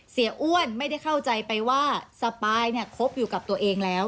อ้วนไม่ได้เข้าใจไปว่าสปายเนี่ยคบอยู่กับตัวเองแล้ว